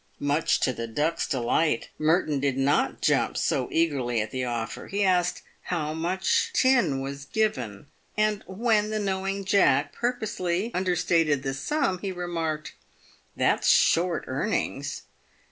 Much to the Duck's delight, Merton did not jump so eagerly at the offer. He asked how much tin was given ? and when the knowing Jack purposely understated the sum, he remarked, " That's short earnings."